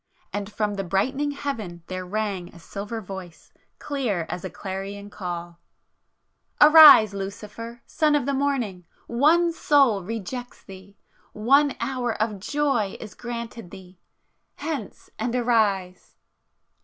And from the brightening heaven there rang a silver voice, clear as a clarion call,— "Arise, Lucifer, Son of the Morning! One soul rejects thee,—one hour of joy is granted thee! Hence and arise!"